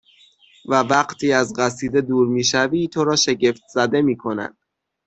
و وقتی از قصیده دور می شوی تو را شگفتزده میکند